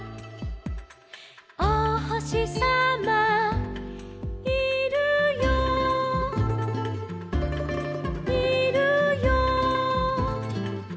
「おほしさまいるよいるよ」